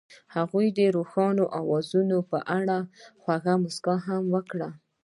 هغې د روښانه اواز په اړه خوږه موسکا هم وکړه.